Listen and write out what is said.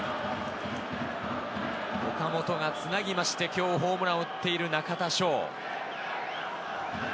岡本がつなぎまして、今日ホームランを打っている中田翔。